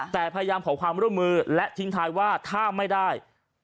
แต่พยายามขอความร่วมมือและทิ้งท้ายว่าถ้าไม่ได้